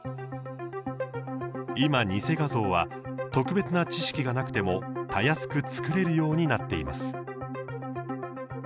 今、偽画像は特別な知識がなくてもたやすく作れるようになっています。